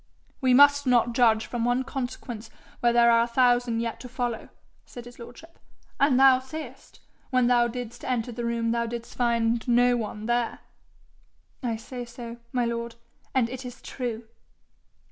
'We must not judge from one consequence where there are a thousand yet to follow,' said his lordship. ' And thou sayest, when thou didst enter the room thou didst find no one there?' 'I say so, my lord, and it is true.'